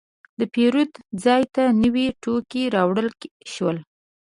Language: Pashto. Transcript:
د پیرود ځای ته نوي توکي راوړل شول.